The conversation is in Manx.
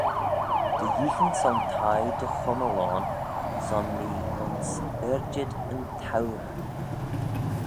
Dy yeeaghyn son thie dy chummal ayn son mee ayns yrjid yn thourey.